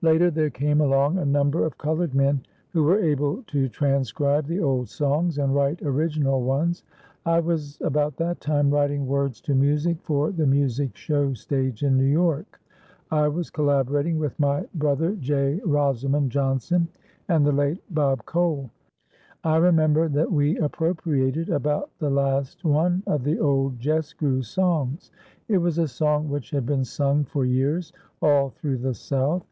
Later there came along a number of colored men who were able to transcribe the old songs and write original ones. I was, about that time, writing words to music for the music show stage in New York. I was collaborating with my brother, J. Rosamond Johnson, and the late Bob Cole. I remember that we appropriated about the last one of the old "jes' grew" songs. It was a song which had been sung for years all through the South.